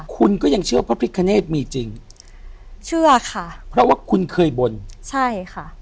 คุณก็ยังเชื่อพระพิคเนธมีจริงเชื่อค่ะเพราะว่าคุณเคยบนใช่ค่ะ